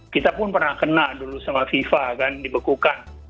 kita pun pernah kena dulu sama fifa kan dibekukan